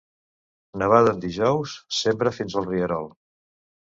Nevada en dijous, sembra fins al rierol.